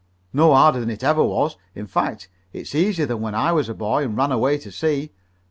"No harder than it ever was. In fact, it's easier than when I was a boy and ran away to sea.